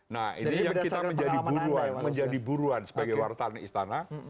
nah ini yang kita menjadi buruan sebagai wartawan istana